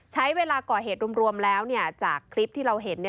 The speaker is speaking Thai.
ใช้เวลาก่อเหตุรวมแล้วจากคลิปที่เราเห็น